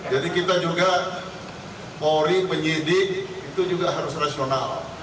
jadi kita juga pori penyidik itu juga harus rasional